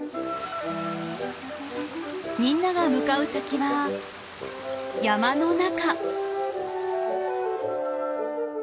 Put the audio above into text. みんなが向かう先は山の中。